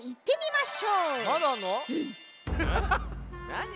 なに？